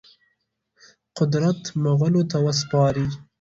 قدرت مغولو ته وسپاري.